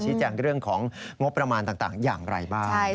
แจ้งเรื่องของงบประมาณต่างอย่างไรบ้าง